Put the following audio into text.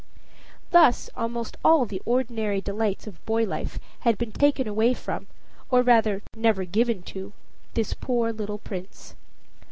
Thus almost all the ordinary delights of boy life had been taken away from, or rather never given to this poor little prince.